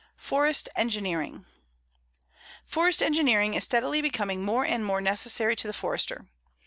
FOREST ENGINEERING: Forest engineering is steadily becoming more and more necessary to the Forester.